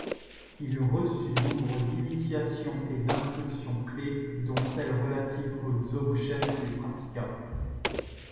Il reçut nombre d'initiations et d'instructions clés, dont celles relatives au Dzogchèn qu'il pratiqua.